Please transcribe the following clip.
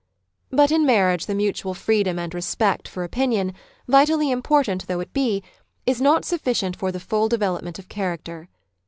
But in marriage the mutual freedom and respectfor opinion, vitally important though it be, is not sufficient for the full development of character.